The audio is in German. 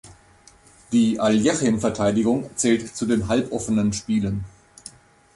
Die Aljechin-Verteidigung zählt zu den Halboffenen Spielen.